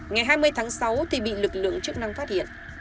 ngày hai mươi tháng sáu thì bị lực lượng chức năng phát hiện